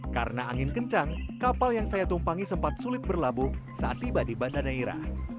karena angin kencang kapal yang saya tumpangi sempat sulit berlabuh saat tiba di banda neira